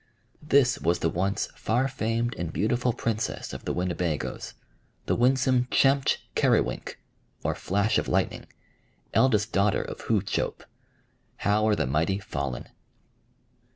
This was the once far famed and beautiful princess of the Winnebagoes, the winsome Champche Keriwinke, or Flash of Lightning, eldest daughter of Hoo Tschope. How are the mighty fallen!